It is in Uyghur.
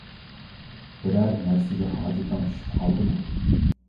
بىرەر نەرسىگە ھاجىتىڭ چۈشۈپ قالدىمۇ؟